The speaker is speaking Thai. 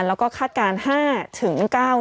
แล้วก็คาดการณ์๕๙